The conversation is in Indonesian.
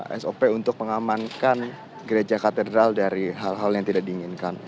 sebagai salah satu sop untuk mengamankan gereja katedral dari hal hal yang tidak diinginkan